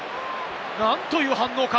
なんという反応か。